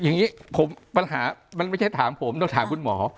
อย่างนี้ปัญหามันไม่ใช่ถามผมต้องถามคุณหมอ